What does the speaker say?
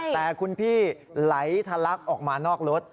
แต่คุณพี่ไหลทะลักออกมานอกรถ